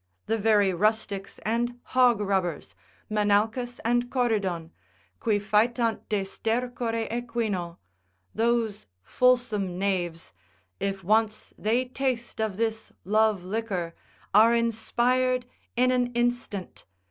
The very rustics and hog rubbers, Menalcas and Corydon, qui faetant de stercore equino, those fulsome knaves, if once they taste of this love liquor, are inspired in an instant.